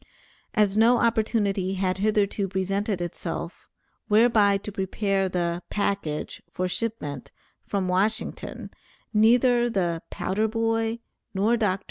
As no opportunity had hitherto presented itself, whereby to prepare the "package" for shipment, from Washington, neither the "powder boy" nor Dr. T.